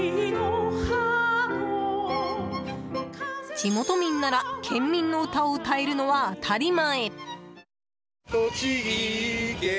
地元民なら「県民の歌」を歌えるのは当たり前。